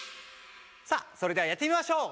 さあそれではやってみましょう！